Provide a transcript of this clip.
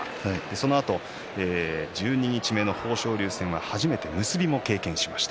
そのあと十二日目の豊昇龍戦では初めて結びも経験しました。